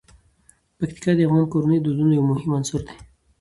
پکتیکا د افغان کورنیو د دودونو مهم عنصر دی.